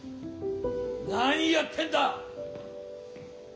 何やってんだ！